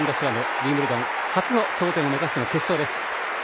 ウィンブルドン初の頂点を目指しての決勝です。